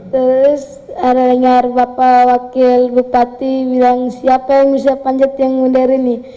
terus ada dengar bapak wakil bupati bilang siapa yang usia panjat yang mundur ini